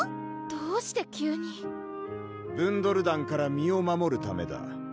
どうして急にブンドル団から身を守るためだ